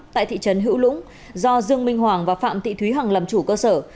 tại thị trấn hữu lũng do dương minh hoàng và phạm thị thúy hằng làm chủ cơ sở